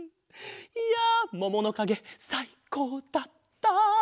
いやもものかげさいこうだった！